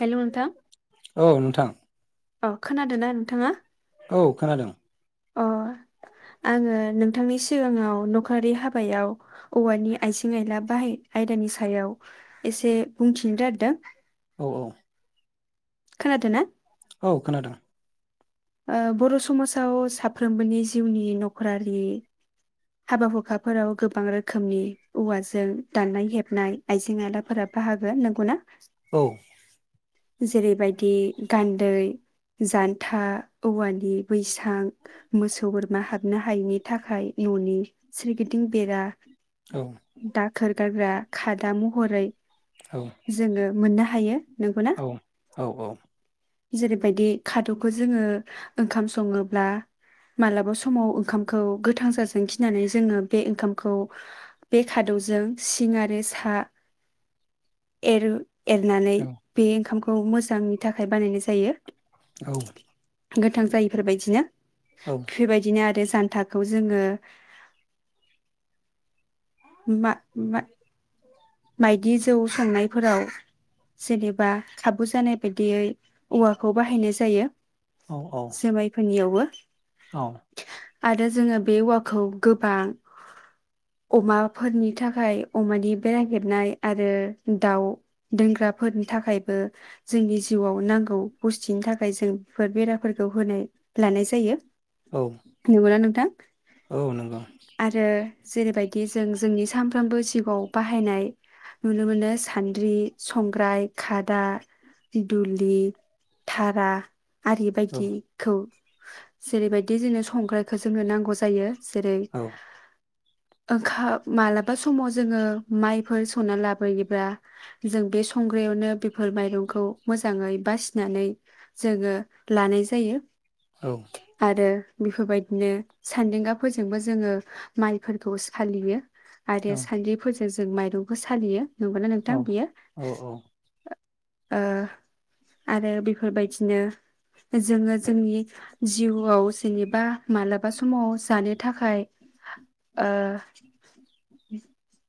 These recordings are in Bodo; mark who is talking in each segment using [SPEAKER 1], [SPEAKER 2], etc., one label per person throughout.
[SPEAKER 1] हेलौ नोंथां।
[SPEAKER 2] औ नोंथां।
[SPEAKER 1] औ खोनादोंना नोंथाङा?
[SPEAKER 2] औ खोनादों।
[SPEAKER 1] अ आंङो नोंथांनि सिगांङाव नखरारि हाबायाव औवानि आइजें आयला बाहाय आयदानि सायाव एसे बुंथिनो दारदों।
[SPEAKER 2] औ औ।
[SPEAKER 1] खोनादोना?
[SPEAKER 2] औ खोनादों।
[SPEAKER 1] ओ बर' समाजाव साफ्रोमबोनि जिउनि नखरारि हाबा हुखाफोराव गोबां रोखोमनि औवाजों दाननाय हेबनाय आइजें आयलाफोरा बाहागो। नंगौना?
[SPEAKER 2] औ।
[SPEAKER 1] जेरैबायदि गान्दै, जान्था, औवानि बै थां मोसौ, बोरमा हाबनो हायिनि थाखाय ननि सोरगिदिं बेरा
[SPEAKER 2] औ
[SPEAKER 1] दाखोर गारग्रा खादा महरै
[SPEAKER 2] औ
[SPEAKER 1] जोंङो मोननो हायो। नोंगौना?
[SPEAKER 2] औ औ
[SPEAKER 1] जेरैबायदि खाद'खौ जोङो ओंखाम संङोब्ला मालाबा समाव ओंखामखौ गोथां जाजानो गिनानै जोङो बे ओंखामखौ बे खादौजों सिं आरो सा एरो। एरनानै बे ओंखाम खौ मोजांनि थाखाय बानायनाय जा
[SPEAKER 2] औ।
[SPEAKER 1] गोथां जायिफोर बायदिनो। बेबायदिनो आरो जान्थाखौ जोङो होमा मा माइदि जौ संनायफोराव जेनेबा खाबु जानाय बायदियै औवाखौ बाहायनाय जायो।
[SPEAKER 2] औ
[SPEAKER 1] जोमाय फोननियावबो।
[SPEAKER 2] औ।
[SPEAKER 1] आरो जोङो बे औवाखौ गोबां अमाफोरनि थाखाय अमानि बेरा हेबनाय आरो दाउ दोनग्राफोरनि थाखायबो जोंनि जिउआव नांगौ बुस्थिनि थाखाय जों बेफोर बेराफोरखौ होनाय लानाय जायो।
[SPEAKER 2] औ
[SPEAKER 1] नंगौना नोंथां?
[SPEAKER 2] औ नंगौ
[SPEAKER 1] आरो जेरैबायदि जों जोंनि सानफ्रोमबो जिउआव बाहायनाय नुनो मोनो सान्द्रि, संग्राय, खादा, दुलि, थारा आरि
[SPEAKER 2] औ
[SPEAKER 1] बायदिखौ जेरैबायदि जोंनो संग्रायखौ जोंनो नांगौ जायो। जेरै
[SPEAKER 2] औ
[SPEAKER 1] ओंखा मालाबा समाव जोङो माइफोर संना लाबोयोब्ला जों बे संग्रायावनो बेफोर माइरंखौ मोजाङै बासिनानै जोङो लानाय जायो।
[SPEAKER 2] औ।
[SPEAKER 1] आरो बेफोरबायदिनो सान्दांगाफोरजोंबो जोङो माइफोरखौ सालियो। आरो
[SPEAKER 2] औ
[SPEAKER 1] सानद्रिफोर जों माइरंखौ सालियो। नंगौना
[SPEAKER 2] औ
[SPEAKER 1] नोंथां बियो?
[SPEAKER 2] औ औ
[SPEAKER 1] ओ आरो बेफोरबायदिनो जोङो जोंनि जिउआव जेनेबा मालाबा समाव जानो थाखाय ओ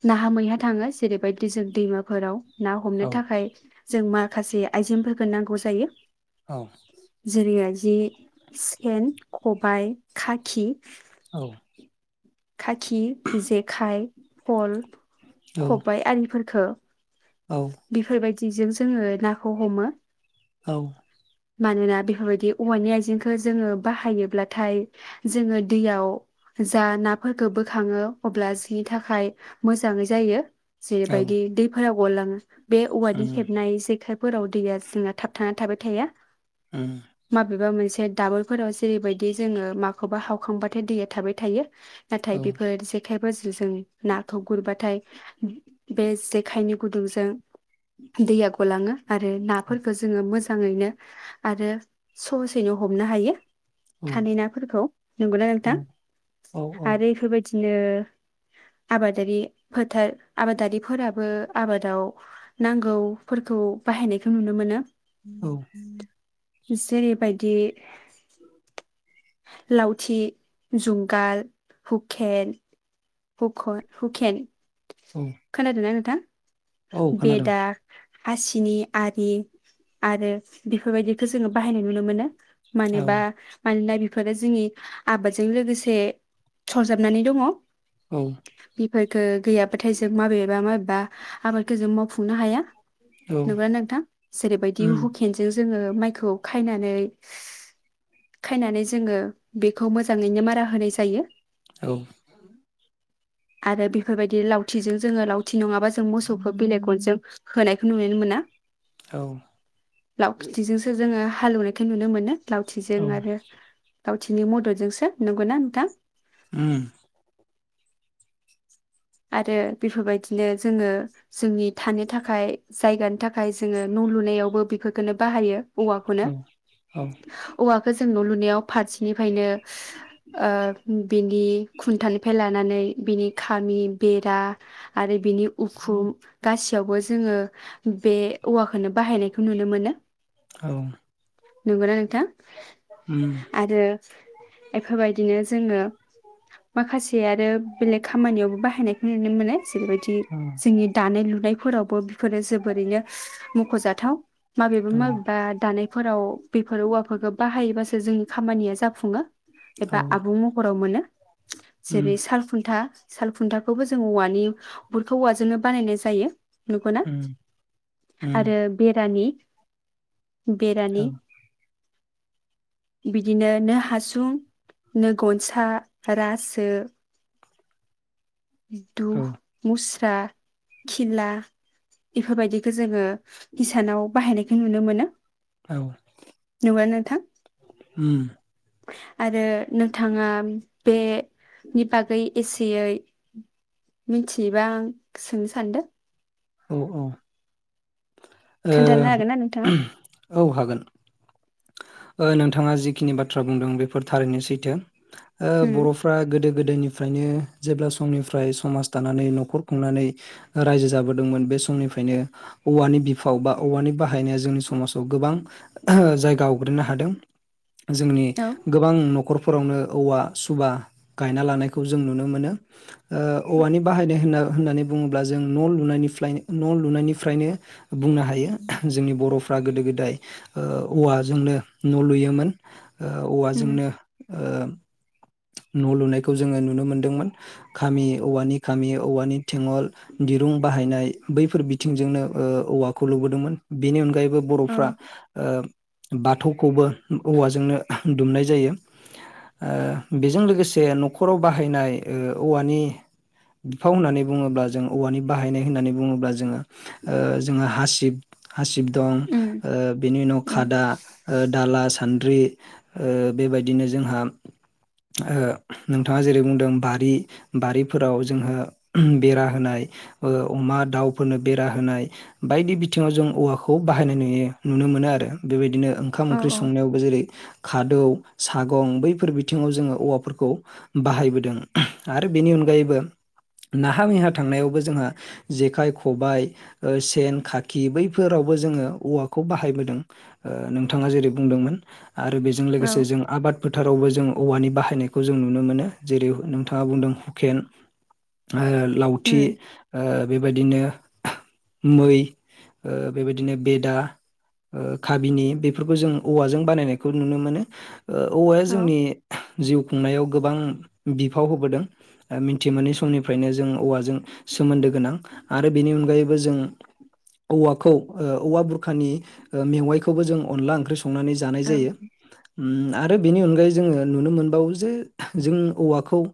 [SPEAKER 1] नाहा मैहा थाङो जेरैबायदि जों दैमाफोराव ना
[SPEAKER 2] उम औ
[SPEAKER 1] हमनो थाखाय जों माखासे आइजेंफोरखौ नांगौ जायो।
[SPEAKER 2] औ
[SPEAKER 1] जेरैबायदि सेन, खबाइ, खाखि खाखि, जेखाय, फल, खबाय आरिफोर फोरखौ बिफोरबाय दि जों जोङो नाखौ हमो।
[SPEAKER 2] औ।
[SPEAKER 1] मानोना बेफोरबायदि औवानि आइजेंखौ जोङो बाहायोब्लाथाय जोङो दैयाव जा नाफोरफोरखौ बोखाङो अब्ला जिनि थाखाय मोजाङै जायो। जेरैबायदि बैफोराव औवा लाङो बे औवानि हेबनाय जेखाय फोराव दैया जिङा थाबथाना थाबाय थाया। माबेबा मोन मोनसे दाबोरफोराव जेरैबायदि जोङो माखौबा हावखांबाथाय दैया थाबाय थायो। नाथाय बेफोर जेखाय जों नाखौ गुरब्लाथाय बे जेखायनि गुदुंजों दैया गलाङो आरो नाफोरखौ जोङो मोजाङैनो आरो सहसैनो हमनो हायो थानाय नाफोरखौ नंगौना
[SPEAKER 2] औ
[SPEAKER 1] नोंथां आरो एफोरबायदिनो आबादारि फोथार आबादारिफोराबो आबादाव नांगौफोरखौ बाहायनायखौ नुनो मोनो
[SPEAKER 2] औ
[SPEAKER 1] जेरैबायदि लावथि जुंगाल हुखेन हुख हुखेन
[SPEAKER 2] औ
[SPEAKER 1] खोनादोंना नोंथां
[SPEAKER 2] औ खोनादों
[SPEAKER 1] बेेदा हासिनि आरि आरो बेफोरबायदिखौ जोंङो बाहायनाय नुनो मोनो
[SPEAKER 2] औ
[SPEAKER 1] मानेबा मानो बिदि बेफोरो जोंनि आबादजों लोगोसे सरजाबनानै दंङ
[SPEAKER 2] औ
[SPEAKER 1] फोरखो गैयाबाथाय जों माबेबा माबेबा आबादखौ जों मावफुंनो हाया
[SPEAKER 2] उम औ
[SPEAKER 1] नंगौना नोंथां जेरैबायदि
[SPEAKER 2] उम
[SPEAKER 1] हुकेनजों जोंङो माइखौ खायनानै खायनानै जोंङो बेखौ मोजांङैनो मारा होनाय जायो
[SPEAKER 2] औ
[SPEAKER 1] आरो बेफोरबायदि लावथिजों जोंङो लावथि नंङाबा जों जों मोसौखौ बिलेग गनजों होनायखौ नुनो मोना
[SPEAKER 2] औ
[SPEAKER 1] लाव खिथिजोंसो जोंङो हालेवनायखौ नुनो मोनो लावथिजों आरो लावथिनि मददजोंसो नंगौना नोंथां
[SPEAKER 2] उम
[SPEAKER 1] आरो बेफोरबायदिनो जोंङो जोंनि थानो थाखाय जायगानि थाखाय जोंङो न लुनायावबो बेफोरखौनो बाहायो औवाखौनो
[SPEAKER 2] औ
[SPEAKER 1] औवाखौ जों न लुनायाव फारसेनिफ्रायनो ओ बिनि खुन्थानिफ्राय लानानै बिनि खामि बेरा आरो बिनि उखुम गासैयावबो जोंङो बे औवाखोनो बाहायनायखौ नुनो मोनो
[SPEAKER 2] औ
[SPEAKER 1] नंग ना नों थां
[SPEAKER 2] उम
[SPEAKER 1] आरो एफोरबायदिनो जोंङो माखासे आरो बेलेग खामानियावबो बाहायनाय नो मोनो जेरैबायदि
[SPEAKER 2] औ
[SPEAKER 1] जोंनि दानाय लुनाय फोरावबो बे फोरो जोबोरैनो मखजाथाव माबेबा
[SPEAKER 2] औ
[SPEAKER 1] माबेबा दानायफोराव बेफोर औवाफोरखौ बाहायोबासो जोंनि खामानिया जाफुंङो एबा
[SPEAKER 2] औ
[SPEAKER 1] आबुं महराव मोनो
[SPEAKER 2] उम
[SPEAKER 1] जेरै सालखुन्था। सालखुन्था खौबो जों औवानि फोरखौ औवाजोंनो बानायनाय जायो। नंगौना
[SPEAKER 2] उम उम
[SPEAKER 1] आरो बेरानि
[SPEAKER 2] औ
[SPEAKER 1] बेरानि बिदिनो नो हासुं नो गनसा रासो दु
[SPEAKER 2] औ
[SPEAKER 1] मुस [unintelligible] खिला इफोरबायदिखौ जोङो हिसानाव बाहायनाय नुनो मोनो।
[SPEAKER 2] औ।
[SPEAKER 1] मोनो नोंथां।
[SPEAKER 2] उम
[SPEAKER 1] [inaudible] आरो नोंथाङा बेनि बागै एसेयै मिथियोबा आं सोंनो सानदों।
[SPEAKER 2] औ औ।
[SPEAKER 1] खोन्थानो हागोन ना नोंथाङा
[SPEAKER 2] ओ औ हागोन। ओ नोंथाङा जिखिनि बाथ्रा बुंदों बेफोर थारैनो सैथो। ओ
[SPEAKER 1] उम
[SPEAKER 2] बर'फ्रा गोदो गोदोनिफ्रायनो जेब्ला समनिफ्राय समाज थानानै न'खर खुंनानै रायजो जाबोदोंमोन बे समनिफ्रायनो औवानि बिफाव बा औवानि बाहायनाया जोंनि समाजाव गोबां जाय गावग्रोनो हादों। जोंनि
[SPEAKER 1] औ
[SPEAKER 2] गोबां न'खरफोरावनो औवा सुबा गायना लानायखौ जों नुनो मोनो। ओ औवानि बाहायनाय होनना होननानै बुङोब्ला जों न' लुनायनिफ्लाय न' लुनायनिफ्रायनो बुंनो हायो जोंनि बर'फ्रा गोदो गोदाय ओ औवा जोंनो न' लुयोमोन। ओ
[SPEAKER 1] उम
[SPEAKER 2] औवाजोंनो ओ न' लुनायखौ जोङो नुनो मोनदोंमोन खामि औवानि खामि औवानि थेङल दिरुं बाहायनाय बैफोर बिथिंजोंनो ओ औवाखौ लुबोदोंमोन बेनि अनगायै बो
[SPEAKER 1] औ
[SPEAKER 2] बर'फ्रा ओ बाथौखौबो औवाजोंनो दुमनाय जायो। बेजों लोगोसे न'खराव बाहायनाय ओ औवानि बिफाव होननानै बुङोब्ला जों औवानि बाहायनाय होननानै बुङोब्ला जोङो ओ जोङो हासिब हासिब दं
[SPEAKER 1] उम
[SPEAKER 2] ओ बेनि उनाव
[SPEAKER 1] औ
[SPEAKER 2] खादा दाला सान्द्रि ओ बेबायदिनो जोंहा ओ नोंथाङा जेरै बुंदों बारि बारिफोराव जोंहा बेरा होनाय बो अमा दाउफोरनो बेरा होनाय बायदि बिथिङाव जों औवाखौ बाहायनाय नुयो नुनो मोनो आरो बेबायदिनो ओंखाम
[SPEAKER 1] औ
[SPEAKER 2] ओंख्रि संनायावबो जेरै खादौ सागं बैफोर बिथिङाव जोङो औवाफोरखौ बाहायबोदों आरो बेनि अनगायैबो नाहा मैहा थांनायावबो जोंहा जेखाइ खबाय सेन खाखि बैफोरावबो जोङो औवाखौ बाहायबोदों ओ नोंथाङा जेरै बुंदोंमोन आरो बेजों
[SPEAKER 1] औ
[SPEAKER 2] लोगोसे जों आबाद फोथारावबो जों औवानि बाहा यनायखौ जों नुनो मोनो जेरै नोंथाङा बुंदों हुकेन ओ लावथि
[SPEAKER 1] उम
[SPEAKER 2] ओ बेबायदिनो मै ओ बेबायदिनो बेदा ओ काबिनि बेफोरखौ जों औवाजों बानायनायखौ नुनो मोनो। ओ औवाया
[SPEAKER 1] औ
[SPEAKER 2] जोंनि जिउ खुंनायाव गोबां बिफाव होबोदों मिथि मोनै समनिफ्रायनो जों औवाजों सोमोन्दो गोनां आरो बेनि अनगायैबो जों औवाखौ ओ औवा बुरखानि मेवाइखौबो जों अनला ओंख्रि सं संनानै जानाय जायो
[SPEAKER 1] औ
[SPEAKER 2] ओ आरो बेनि अनगायै जोंङो नुनो मोन बाव जे जों औवाखौ ओ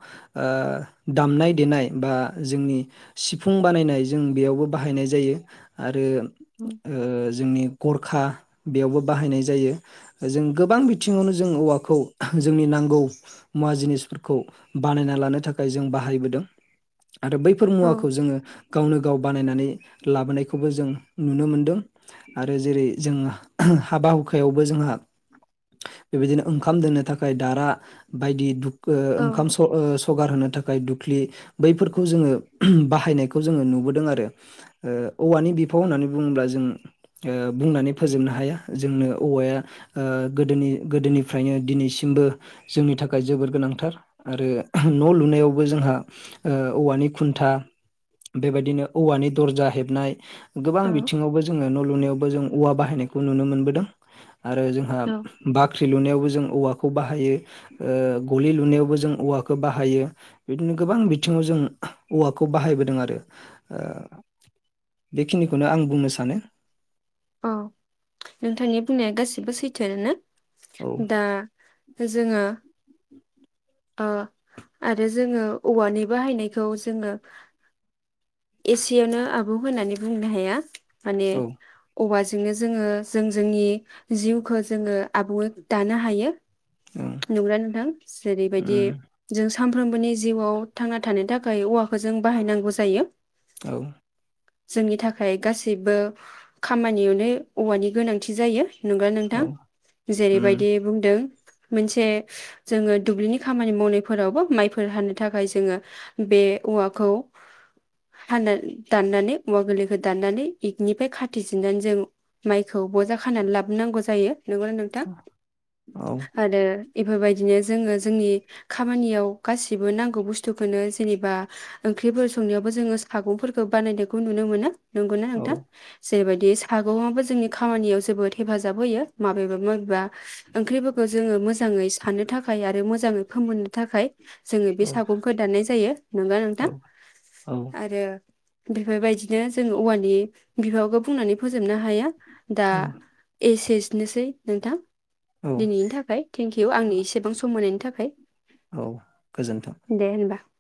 [SPEAKER 2] दामनाय देनाय बा जोंनि सिफुं बानायनाय जों बेयावबो बाहायनाय जायो आरो
[SPEAKER 1] उम
[SPEAKER 2] ओ जोंनि गरखा बेयावबो बाहायनाय जायो जों गोबां बिथिङावनो जों औवाखौ जोंनि नांगौ मुवा जिनिसफोरखौ बानायना लानो थाखाय जों बाहायबोदों आरो बैफोर
[SPEAKER 1] औ
[SPEAKER 2] मुवाखौ जोङो गावनो गाव बानायनानै लाबोनायखौबो जों नुनो मोनदों आरो जेरै जों हाबा हुखायावबो जोंहा बेबायदिनो ओंखाम दोननो थाखाय दारा बायदि दुख ओ
[SPEAKER 1] औ
[SPEAKER 2] ओखाम स ओ स खौगार होनो थाखाय दुख्लि बैफोरखौ जोङो बाहायनायखौ जोङो नुबोदों आरो ओ औवानि बिफाव होननानै बुङोब्ला जों ओ बुंनानै फोजोबनो हाया जोंनो औवाया गोदोनि ओ गोदोनिफ्रायनो दिनैसिमबो जोंनि थाखाय जोबोर गोनांथार आरो न' लुनायावबो जोंहा ओ औवानि खुन्था बेबायदिनो औवानि दरजा हेबनाय गोबां बिथिङावबो जोङो न' लुनायाव जों औवा बाहायनायखौ नुनो मोनबोदों आरो जोंहा
[SPEAKER 1] औ
[SPEAKER 2] बाख्रि लुनायावबो जों औवाखौ बाहायो ओ गलि लुनायावबो जों औवाखौ बाहायो बिदिनो गोबां बिथिङाव जों औवाखौ बाहायबोदों आरो ओ बेखिनिखौनो आं बुंनो सानो
[SPEAKER 1] औ नोंथांनि बुंनाया गासिबो सैथोयानो ना
[SPEAKER 2] औ
[SPEAKER 1] दा जोङो ओ आरो जोङो औवानि बाहायनायखौ जोङो एसेयावनो आबौ होननानै बुंनो हाया माने
[SPEAKER 2] औ
[SPEAKER 1] औवाजोंनो जोङो जों जोंनि जिउखौ जोङो आबुङै दानो हायो
[SPEAKER 2] ओं
[SPEAKER 1] नंगौ ना नोंथां जेरैबायदि
[SPEAKER 2] उम
[SPEAKER 1] जों सानफ्रोमबोनि जिउआव थांना थानो थाखाय औवाखौ जों बाहायनांगौ जायो
[SPEAKER 2] औ
[SPEAKER 1] जोंनि थाखाय गासैबो खामानियावनो औवानि गोनांथि जायो नंगौना नोंथां
[SPEAKER 2] औ उम
[SPEAKER 1] जेरैबायदि बुंदों मोनसे जोङो दुब्लिनि खामानि मावनायफोरावबो माइफोर हानो थाखाय जोङो बे औवाखौ हा दाननानै औवा गोरलैखौ दाननानै इकनिफ्राय खाथिजन्नानै जों माइखौ बजा खानानै लाबोनांगौ जायो नंगौना नोंथां
[SPEAKER 2] औ
[SPEAKER 1] आरो एफोरबाय बिदिनो जोङो जोंनि खामानियाव गासिबो नांगौ बुस्थुखौनो जेनेबा ओंख्रिफोर संनायावबो जोङो सागंफोरखौ बानायनायखौ नुनो मोनो नंगौना
[SPEAKER 2] औ
[SPEAKER 1] नोंथां जेरैबायदि सागंयाबो जोंनि खामानियाव जोबोद हेफाजाब होयो माबेबा माबेबा ओंख्रिबो खौ जोङो मोजाङै सानो थाखाय खाय आरो मोजाङै फोमोननो थाखाय जोङो बे
[SPEAKER 2] औ
[SPEAKER 1] सागंखौ दाननाय जायो नंगौ नोंथां
[SPEAKER 2] औ
[SPEAKER 1] आरो बेफोरबायदिनो जों औवानि बिफाखौ बुंनानै फोजोबनो हाया दा
[SPEAKER 2] औ
[SPEAKER 1] एस एस नोसै नोंथां
[SPEAKER 2] औ
[SPEAKER 1] दिनैनि थाखाय थेंक इउ आंनि एसेबां समायनि थाखाय
[SPEAKER 2] औ गोजोन्थों।
[SPEAKER 1] दे होनबा